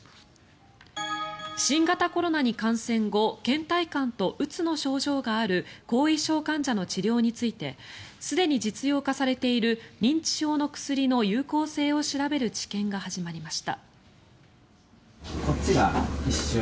新型コロナに感染後けん怠感とうつの症状がある後遺症患者の治療についてすでに実用化されている認知症の薬の有効性を調べる治験が始まりました。